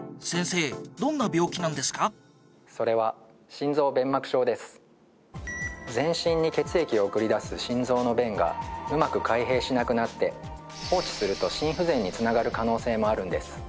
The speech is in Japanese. それは全身に血液を送り出す心臓の弁がうまく開閉しなくなって放置すると心不全に繋がる可能性もあるんです。